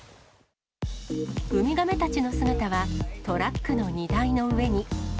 ウミガメたちの姿はトラックの荷台の上に。